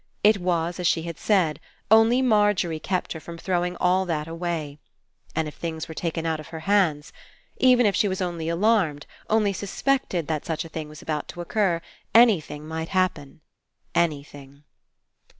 It was as she had said, only Margery kept her from throwing all that away. And if things were taken out of her hands — Even if she was only alarmed, only suspected that such a thing was about to occur, anything might happen. Anything.